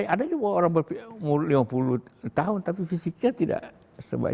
ada juga orang berumur lima puluh tahun tapi fisiknya tidak sebanyak